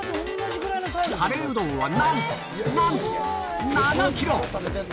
カレーうどんはなんと、なんと、７キロ。